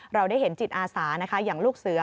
เราได้เห็นจิตอาสานะคะอย่างลูกเสือ